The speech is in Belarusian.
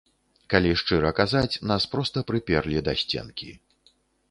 Калі шчыра казаць, нас проста прыперлі да сценкі.